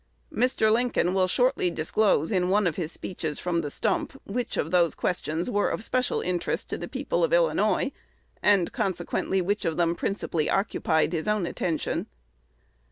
Mr. Lincoln will shortly disclose in one of his speeches from the stump which of those questions were of special interest to the people of Illinois, and consequently which of them principally occupied his own attention.